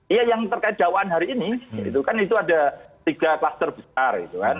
iya yang terkait dakwaan hari ini itu kan itu ada tiga kluster besar gitu kan